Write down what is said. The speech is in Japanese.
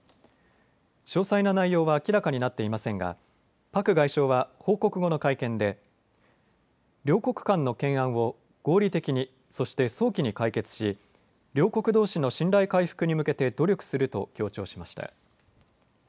詳細な内容は明らかになっていませんがパク外相は報告後の会見で両国間の懸案を合理的に、そして早期に解決し両国どうしの信頼回復に向けて努力すると強調しました。